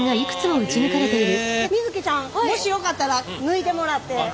もしよかったら抜いてもらって。